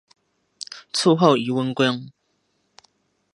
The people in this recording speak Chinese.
卒后谥文恭。